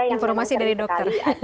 informasi dari dokter